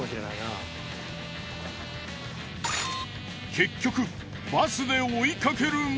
結局バスで追いかけるも。